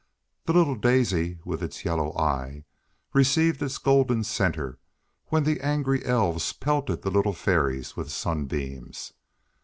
The little Daisy, with its yellow eye, received its golden center when the angry elves pelted the little Fairies with sunbeams.